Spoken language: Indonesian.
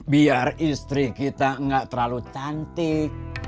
biar istri kita nggak terlalu cantik